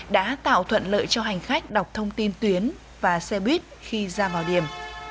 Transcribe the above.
đã tạo thuận lợi cho hành khách đọc thông tin tuyến và xe buýt khi ra vào điểm